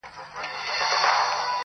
د هر سهار تر لمانځه راوروسته,